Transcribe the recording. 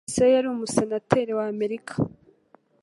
Se yari umusenateri w’Amerika.